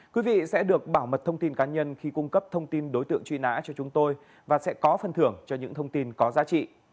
quý vị sẽ được bảo mật thông tin cá nhân khi cung cấp thông tin đối tượng truy nã cho chúng tôi và sẽ có phân thưởng cho những thông tin có giá trị